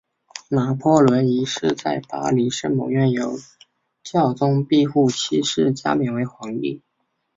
拿破仑一世在巴黎圣母院由教宗庇护七世加冕为皇帝。